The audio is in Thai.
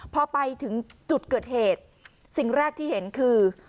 พอไปถึงจุดเกิดเหตุสิ่งแรกที่เห็นคือ